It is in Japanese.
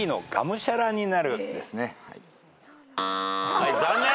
はい残念。